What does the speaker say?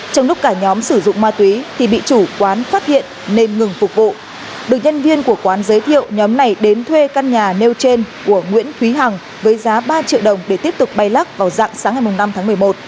trong lúc cả nhóm sử dụng ma túy thì bị chủ quán phát hiện nên ngừng phục vụ được nhân viên của quán giới thiệu nhóm này đến thuê căn nhà nêu trên của nguyễn thúy hằng với giá ba triệu đồng để tiếp tục bay lắc vào dạng sáng ngày năm tháng một mươi một